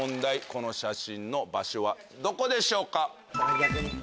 この写真の場所はどこでしょうか？